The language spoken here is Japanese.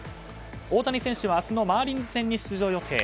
大谷選手は明日のマーリンズ戦に出場予定。